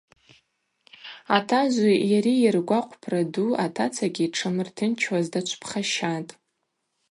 Атажви йари ргвакъвпра ду атацагьи дшамыртынчуаз дачвпхащатӏ.